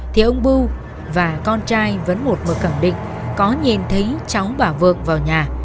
thì ông bưu và con trai vẫn một mực khẳng định có nhìn thấy cháu bà vượng vào nhà